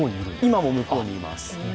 今も向こうにいます。